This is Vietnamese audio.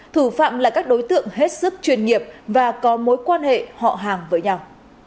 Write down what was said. thủ phạm là các đối tượng hết sức chuyên nghiệp và có mối quan hệ họ hàng với nhau